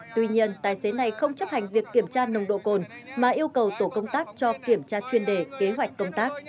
tuy nhiên tài xế này không chấp hành việc kiểm tra nồng độ cồn mà yêu cầu tổ công tác cho kiểm tra chuyên đề kế hoạch công tác